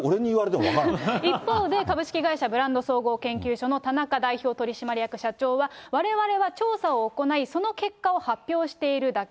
一方で、株式会社ブランド総合研究所の田中代表取締役社長は、われわれは調査を行い、その結果を発表しているだけ。